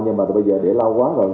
nhưng mà bây giờ để lâu quá rồi